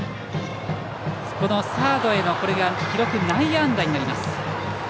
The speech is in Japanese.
サードへのこれが記録、内野安打になります。